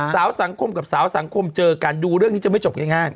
สังคมกับสาวสังคมเจอกันดูเรื่องนี้จะไม่จบง่าย